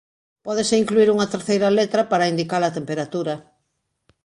Pódese incluír unha terceira letra para indicar a temperatura.